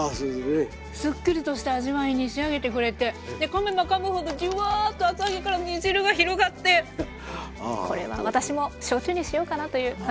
すっきりとした味わいに仕上げてくれてかめばかむほどジュワーッと厚揚げから煮汁が広がってこれは私も焼酎にしようかなという感じでございます。